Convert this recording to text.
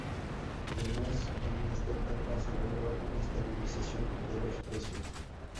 Además en esta etapa se logró una estabilización de los precios.